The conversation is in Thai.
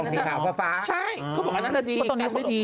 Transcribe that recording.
ปล่องสีขาวฟ้าฟ้าฟ้าใช่เขาบอกว่าอันนั้นจะดีตอนนี้ก็จะดี